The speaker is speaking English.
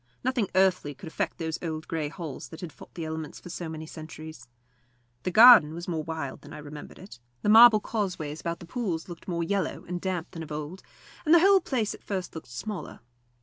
Nothing earthly could affect those old grey walls that had fought the elements for so many centuries. The garden was more wild than I remembered it; the marble causeways about the pools looked more yellow and damp than of old, and the whole place at first looked smaller.